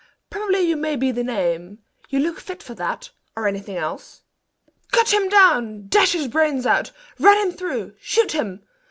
Probably you may be the name; you look fit for that, or anything else." "Cut him down!" "Dash his brains out!" "Run him through!" "Shoot him!"